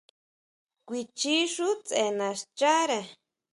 Kuichi xú tse nascháʼre.